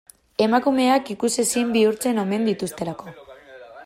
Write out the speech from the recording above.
Emakumeak ikusezin bihurtzen omen dituztelako.